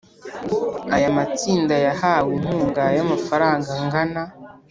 Aya matsinda yahawe inkunga y amafaranga angana